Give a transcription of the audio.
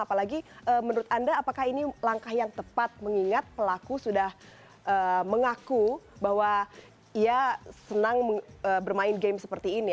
apalagi menurut anda apakah ini langkah yang tepat mengingat pelaku sudah mengaku bahwa ia senang bermain game seperti ini